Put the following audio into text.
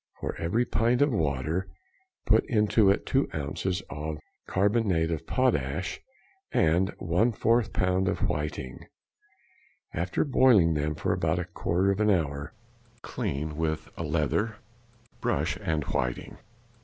For every pint of water put into it 2 ounces of carbonate of potash and a 1/4 lb. of whiting. After boiling them for about a quarter of an hour, clean with a leather, brush, and whiting.